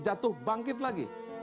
jatuh bangkit lagi